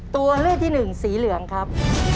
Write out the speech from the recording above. ตัวเลือกที่หนึ่งสีเหลืองครับ